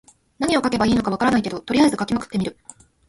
何を書けばいいのか分からないけど、とりあえず書きまくってみる。